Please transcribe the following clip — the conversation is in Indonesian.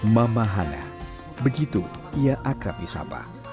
mama hana begitu ia akrab di sabah